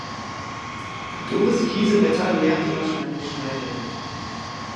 Doris Kiesewetter lernte wahrscheinlich Schneiderin.